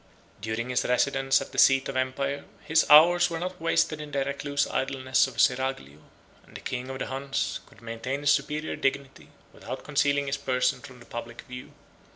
During his residence at the seat of empire, his hours were not wasted in the recluse idleness of a seraglio; and the king of the Huns could maintain his superior dignity, without concealing his person from the public view.